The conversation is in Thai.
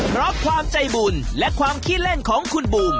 เพราะความใจบุญและความขี้เล่นของคุณบูม